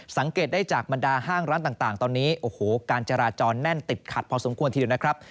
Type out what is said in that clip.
สังเกตได้จากบรรดาห้างร้านต่างตอนนี้โอ้โหการจราจรแน่นติดขัดพอสมควรทีเดียวนะครับ